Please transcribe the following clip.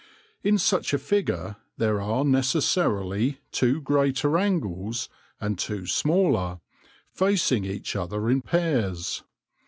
In such a figure there are necessarily two greater angles and two smaller, facing each other in pairs.